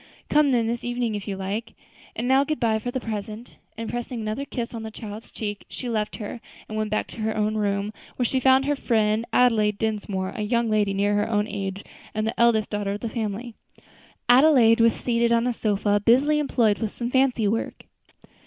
"Come then this evening, if you like; and now goodbye for the present." And pressing another kiss on the child's cheek, she left her and went back to her own room, where she found her friend Adelaide Dinsmore, a young lady near her own age, and the eldest daughter of the family. Adelaide was seated on a sofa, busily employed with some fancy work.